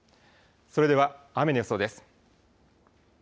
それでは雨の予想です。